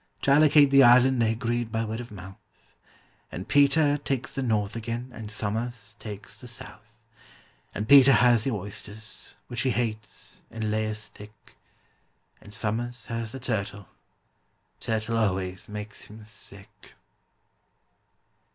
To allocate the island they agreed by word of mouth, And PETER takes the north again, and SOMERS takes the south; And PETER has the oysters, which he hates, in layers thick, And SOMERS has the turtle—turtle always makes him sick.